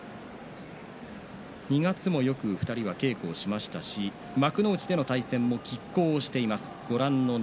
２月にはよく２人稽古しましたし幕内での成績もきっ抗しています。